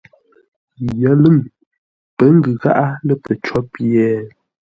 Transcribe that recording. Yəlʉ̂ŋ pə́ ngʉ gháʼá lə̂ pəcó pye?